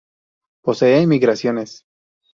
Posee Migraciones.